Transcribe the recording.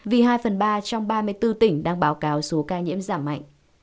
vì hai phần ba trong ba mươi bốn tỉnh đang báo cáo số ca nhiễm giảm mạnh